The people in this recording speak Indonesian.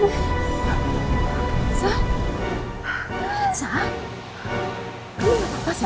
teman teman aku udah jatuh tadi